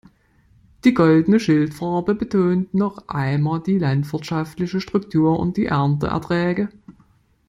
Die goldene Schildfarbe betont noch einmal die landwirtschaftliche Struktur und die Ernteerträge.